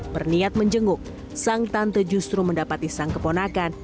berniat menjenguk sang tante justru mendapati sang keponakan